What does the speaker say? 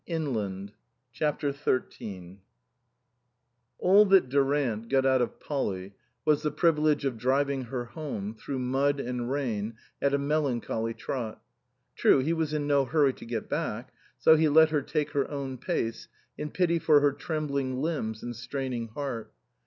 123 CHAPTER XIII ALL that Durant got out of Polly was the privilege of driving her home, through mud and rain, at a melancholy trot. True, he was in no hurry to get back ; so he let her take her own pace, in pity for her trembling limbs and straining heart.